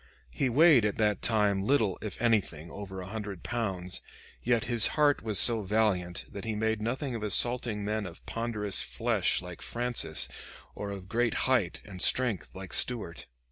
He weighed at that time little, if anything, over a hundred pounds, yet his heart was so valiant that he made nothing of assaulting men of ponderous flesh like Francis, or of great height and strength like Stuart.